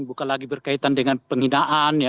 bukan lagi berkaitan dengan penghinaan